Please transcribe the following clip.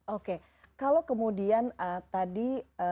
oke kalau kemudian tadi